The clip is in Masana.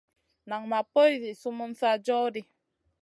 Nan ma poy zi sumun sa joh ɗi.